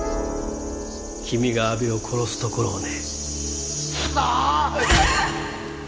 君が阿部を殺すところをね。